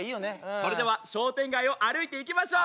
それでは商店街を歩いていきましょう。